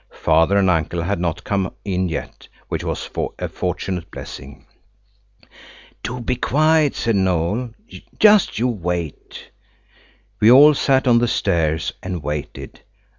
Father and uncle had not come in yet, which was a fortunate blessing. "Do be quiet!" said Noël. "Just you wait." We all sat on the stairs and waited.